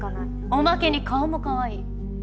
おまけに顔もかわいい。